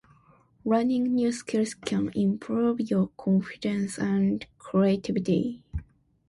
Learning new skills can improve your confidence and creativity.